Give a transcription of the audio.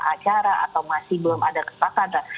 acara atau masih belum ada kesepakatan